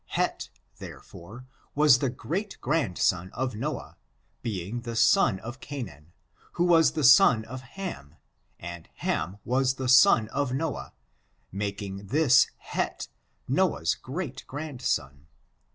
Heth, there fore, was the great grandson of Noah, being the son of Canaan, who was the son of Ham, and Ham was the son of Noah, making this Heth Noah's great grandson.